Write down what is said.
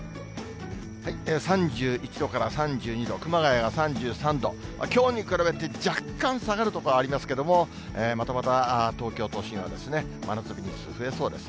３１度から３２度、熊谷が３３度、きょうに比べて、若干下がる所ありますけれども、またまた東京都心は、真夏日日数増えそうです。